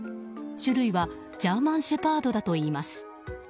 種類はジャーマンシェパードだといいます。